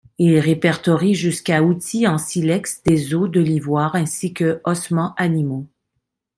Il répertorie jusqu'à outils en silex, des os, de l'ivoire ainsi que ossements animaux.